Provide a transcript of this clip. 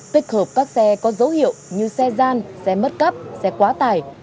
tích hợp các xe có dấu hiệu như xe gian xe mất cắp xe quá tải